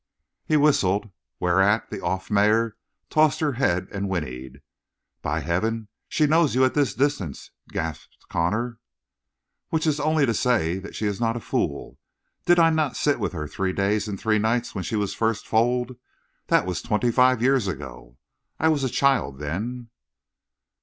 He whistled, whereat the off mare tossed her head and whinnied. "By Heaven, she knows you at this distance!" gasped Connor. "Which is only to say that she is not a fool. Did I not sit with her three days and three nights when she was first foaled? That was twenty five years ago; I was a child then."